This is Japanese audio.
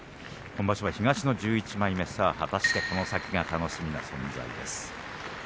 今場所は東の１１枚目果たしてこの先が楽しみな存在です。